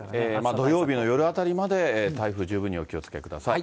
土曜日の夜あたりまで台風、十分にお気をつけください。